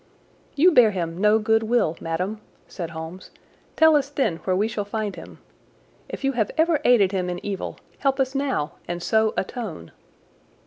"You bear him no good will, madam," said Holmes. "Tell us then where we shall find him. If you have ever aided him in evil, help us now and so atone."